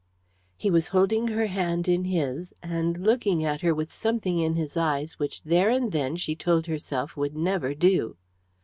He was holding her hand in his, and looking at her with something in his eyes which there and then she told herself would never do.